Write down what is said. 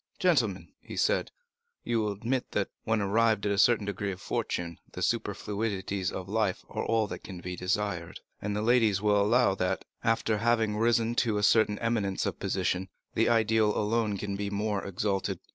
"Gentlemen," he said, "you will admit that, when arrived at a certain degree of fortune, the superfluities of life are all that can be desired; and the ladies will allow that, after having risen to a certain eminence of position, the ideal alone can be more exalted.